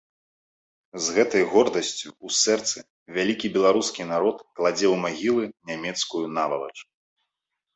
З гэтай гордасцю ў сэрцы вялікі беларускі народ кладзе ў магілы нямецкую навалач.